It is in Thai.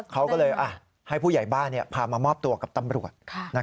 เขาก็เลยให้ผู้ใหญ่บ้านพามามอบตัวกับตำรวจ